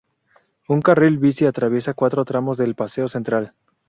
Un carril bici atraviesa cuatro tramos del paseo central.